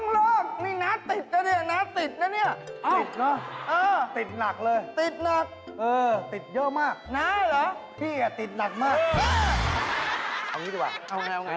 เลิกสิน้าต้องเลิกน้าติดแล้วนี่น้าติดแล้วนี่